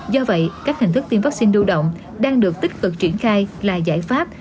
do vậy các hình thức tiêm vắc xin lưu động đang được tích cực triển khai là giải pháp